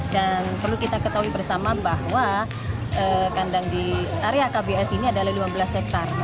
dan perlu kita ketahui bersama bahwa kandang di area kbs ini adalah dua belas hektare